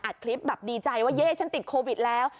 คลิปแบบดีใจว่าเย่ฉันติดโควิดแล้ว